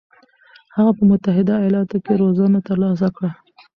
هغه په متحده ایالاتو کې روزنه ترلاسه کړه.